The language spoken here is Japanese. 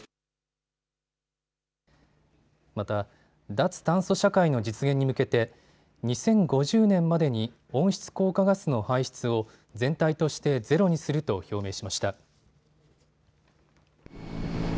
また、脱炭素社会の実現に向けて２０５０年までに温室効果ガスの排出を全体としてゼロにすると表明しました。